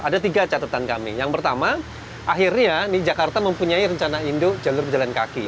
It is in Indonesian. ada tiga catatan kami yang pertama akhirnya nih jakarta mempunyai rencana induk jalur pejalan kaki